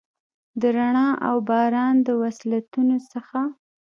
د رڼا اوباران، د وصلتونو څخه،